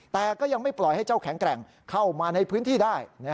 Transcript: แต่ก็ยังไม่ปล่อยให้เจ้าแข็งแกร่งเข้ามาในพื้นที่ได้